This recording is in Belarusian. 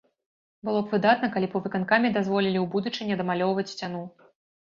Было б выдатна, калі б у выканкаме дазволілі ў будучыні дамалёўваць сцяну.